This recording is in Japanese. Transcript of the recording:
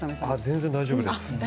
全然大丈夫です。